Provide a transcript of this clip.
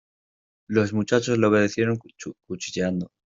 Los muchachos le obedecieron cuchicheando.